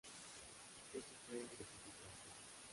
Eso fue gratificante.